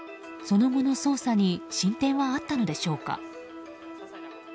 その後の捜査に進展はあったのでしょうか。